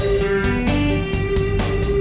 ap darren ngasih